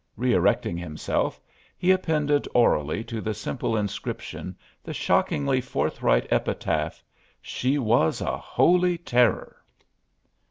Re erecting himself he appended orally to the simple inscription the shockingly forthright epitaph, "She was a holy terror!"